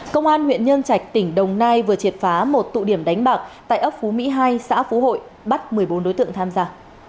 công an huyện nhân trạch tỉnh đồng nai vừa triệt phá một tụ điểm đánh bạc tại ấp phú mỹ hai xã phú hội bắt một mươi bốn đối tượng tham gia